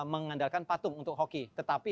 mengandalkan patung untuk hoki tetapi